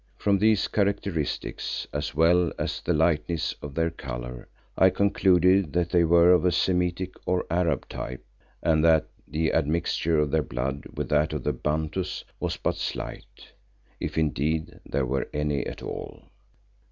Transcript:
From these characteristics, as well as the lightness of their colour, I concluded that they were of a Semitic or Arab type, and that the admixture of their blood with that of the Bantus was but slight, if indeed there were any at all.